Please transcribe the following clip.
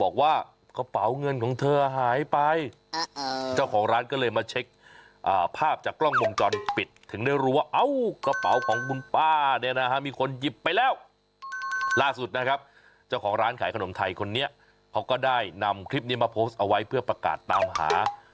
เขาก็ได้นำคลิปนี้มาโพสต์เอาไว้เพื่อประกาศตามหา